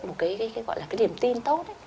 một cái gọi là cái niềm tin tốt